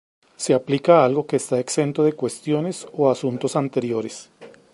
Se aplica a algo que está exento de cuestiones o asuntos anteriores.